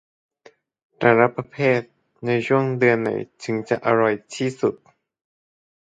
แต่ละประเภทในช่วงเดือนไหนถึงจะอร่อยที่สุด